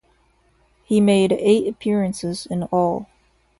He made eight appearances in all.